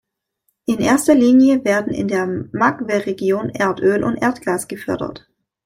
In erster Linie werden in der Magwe-Region Erdöl und Erdgas gefördert.